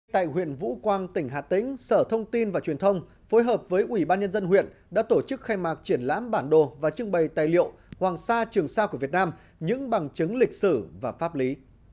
tại huyện vũ quang tỉnh hà tĩnh sở thông tin và truyền thông phối hợp với ubnd huyện đã tổ chức khai mạc triển lãm bản đồ và trưng bày tài liệu hoàng sa trường sao của việt nam những bằng chứng lịch sử và pháp lý